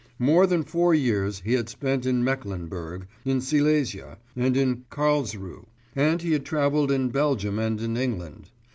More than four years he had spent in Mecklenburg, in Silesia, and in Carlsruhe, and he had travelled in Belgium and in England.